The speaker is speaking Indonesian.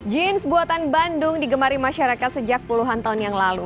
jeans buatan bandung digemari masyarakat sejak puluhan tahun yang lalu